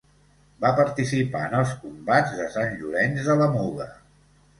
Va participar en els combats de Sant Llorenç de la Muga.